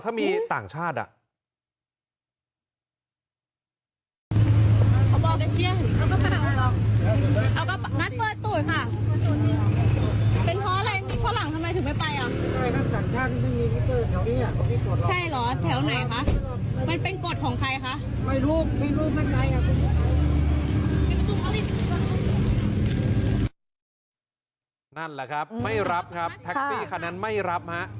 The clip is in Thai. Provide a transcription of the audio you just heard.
ถ้ามีต่างชาติอะ